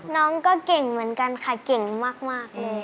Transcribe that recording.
น้องก็เก่งเหมือนกันค่ะเก่งมากเลย